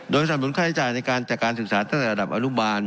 สนับหนุนค่าใช้จ่ายในการจัดการศึกษาตั้งแต่ระดับอนุบาล